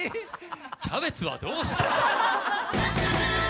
キャベツはどうした？